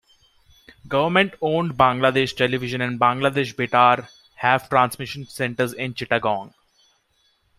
Government owned Bangladesh Television and Bangladesh Betar have transmission centres in Chittagong.